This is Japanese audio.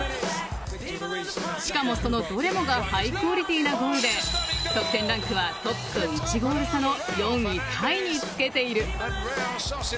しかも、そのどれもがハイクオリティーなゴールで得点ランクはトップと１ゴール差の４位タイにつけている。